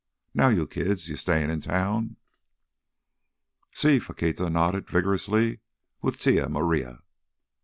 Now, you kids, you stayin' in town?" "Sí." Faquita nodded vigorously. "With Tía María."